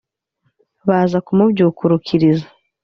baza kumubyukurukiriza